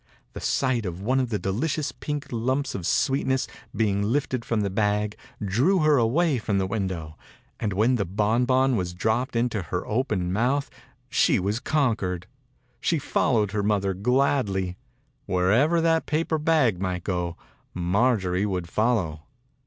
The sight of one of the delicious pink lumps of sweetness being lifted from the bag drew her away from the window, and when the bonbon was dropped into her open mouth she was lOO THE INCUBATOR BABY conquered. She followed her mother gladly. Wherever that paper bag might go, Marjorie would follow.